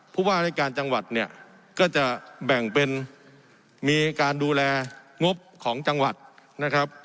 ผู้ว่ารายการจังหวัดเนี่ยก็จะแบ่งเป็นมีการดูแลงบของจังหวัดนะครับ